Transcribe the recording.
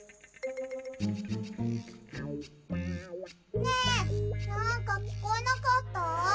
ねえなんかきこえなかった？